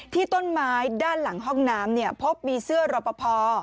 ที่ต้นไม้ด้านหลังห้องน้ำพบมีเสื้อรอปภ